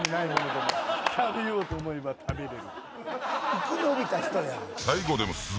生き延びた人やん。